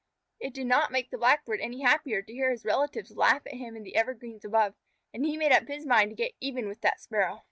It did not make the Blackbird any happier to hear his relatives laugh at him in the evergreens above, and he made up his mind to get even with that Sparrow.